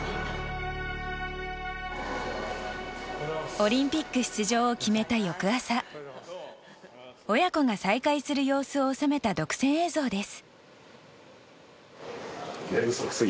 オリンピック出場を決めた翌朝親子が再会する様子を収めた独占映像です。